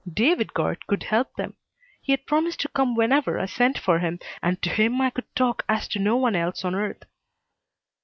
David Guard could help them. He had promised to come whenever I sent for him, and to him I could talk as to no one else on earth.